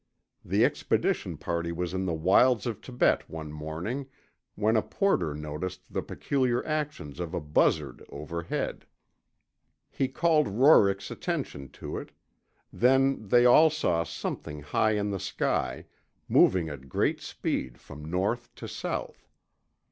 The expedition party was in the wilds of Tibet one morning when a porter noticed the peculiar actions of a buzzard overhead. He called Roerich's attention to it; then they all saw something high in the sky, moving at great speed from north to south.